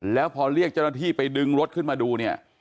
แล้วพอเรียกเจ้าหน้าที่ไปดึงรถขึ้นมาดูเนี่ย